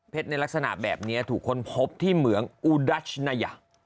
ในลักษณะแบบนี้ถูกค้นพบที่เหมืองอุดัชนายะ